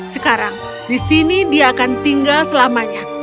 sekarang di sini dia akan tinggal selamanya